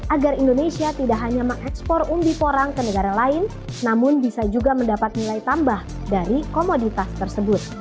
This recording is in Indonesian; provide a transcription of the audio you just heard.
agar indonesia tidak hanya mengekspor umbi porang ke negara lain namun bisa juga mendapat nilai tambah dari komoditas tersebut